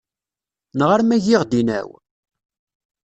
Neɣ arma giɣ-d inaw?